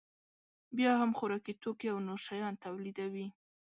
بیا هم خوراکي توکي او نور شیان تولیدوي